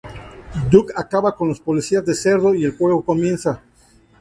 Duke acaba con los Policías de cerdo y el juego comienza.